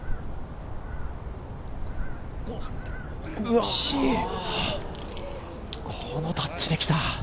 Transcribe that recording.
惜しいこのタッチできた。